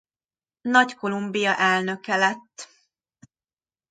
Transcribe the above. Nagy-Kolumbia elnöke lett.